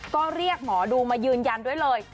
ก็เรียกหมอดูมายืนยันด้วยเลย